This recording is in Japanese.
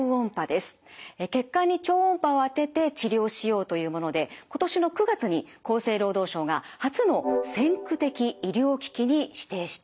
血管に超音波を当てて治療しようというもので今年の９月に厚生労働省が初の先駆的医療機器に指定したんです。